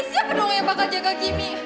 siapa doang yang bakal jaga gimi